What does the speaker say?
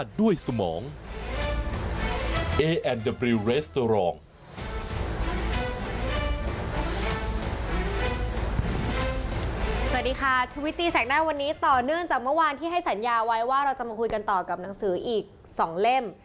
สวัสดีค่ะชุวิตตีแสกหน้าวันนี้ต่อเนื่องจากเมื่อวานที่ให้สัญญาไว้ว่าเราจะมาคุยกันต่อกับหนังสืออีก๒เล่ม